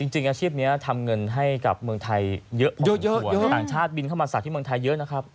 จริงอาชีพนี้ทำเงินให้กับเมืองไทยเยอะพอสมควรต่างชาติบินเข้ามาสักที่เมืองไทยเยอะนะครับ